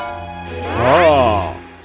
sekarang kita akan makan bersama